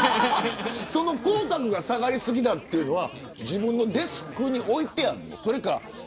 口角が下がり過ぎだというのは自分のデスクに置いてあるの。